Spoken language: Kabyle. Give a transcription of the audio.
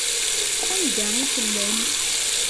Anda i tellam?